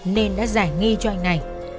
nên đã giải nghi cho anh này